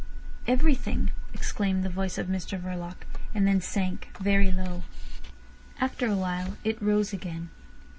"Everything," exclaimed the voice of Mr Verloc, and then sank very low. After a while it rose again.